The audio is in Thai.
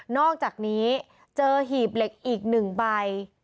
อกจากนี้เจอหีบเหล็กอีก๑ใบ